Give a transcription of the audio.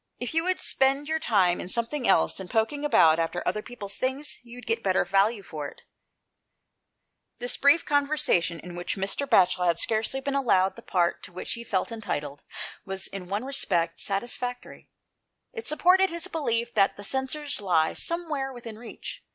If you would spend your time in something else than poking about after other people's things, you'd get better value for it." 1S2 THE PLACE OP SAFETY. This brief conversation, in whicli Mr. Batchel had ecarcely been allowed the part to which he felt entitled, was in one respect satisfactory. It supported his belief that the censers lay somewhere within reach.